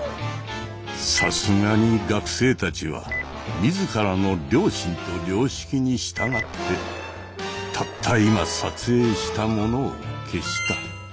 さすがに学生たちは自らの良心と良識に従ってたった今撮影したものを消した。